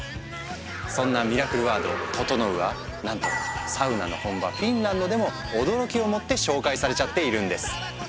そんなミラクルワード「ととのう」はなんとサウナの本場フィンランドでも驚きをもって紹介されちゃっているんです。